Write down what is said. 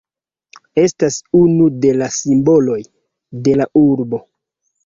Estas unu de la simboloj de la urbo.